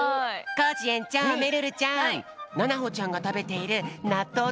コージえんちょうめるるちゃんななほちゃんがたべているなっとう